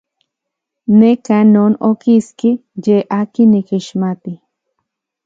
Neka non okiski ye akin nikixmati.